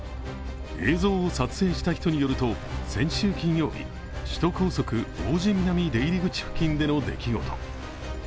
映像を撮影した人によると先週金曜日首都高速・王子南出入り口付近での出来事。